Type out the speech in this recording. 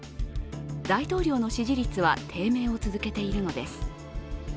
大統領の支持率は低迷を続けているのです。